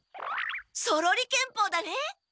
ソロリ剣法だね！